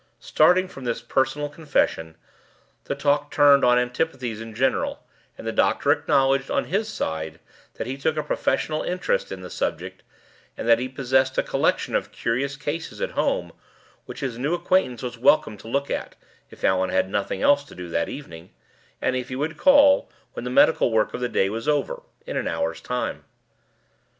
Starting from this personal confession, the talk turned on antipathies in general; and the doctor acknowledged, on his side, that he took a professional interest in the subject, and that he possessed a collection of curious cases at home, which his new acquaintance was welcome to look at, if Allan had nothing else to do that evening, and if he would call, when the medical work of the day was over, in an hour's time.